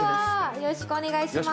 よろしくお願いします。